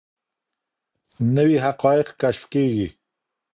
نوي حقایق کشف کیږي.